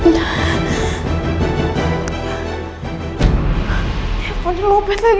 ya ampun lupa lagi